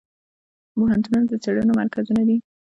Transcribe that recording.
پوهنتونونه د څیړنو مرکزونه دي.